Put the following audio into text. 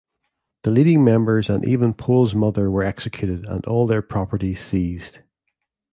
The leading members and even Pole's mother were executed, and all their properties seized.